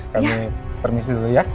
kami permisi dulu ya